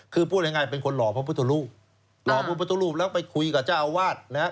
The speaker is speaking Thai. คือพูดง่ายเป็นคนหล่อพระพุทธรูปหล่อพระพุทธรูปแล้วไปคุยกับเจ้าอาวาสนะฮะ